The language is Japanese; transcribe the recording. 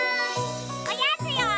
おやつよ！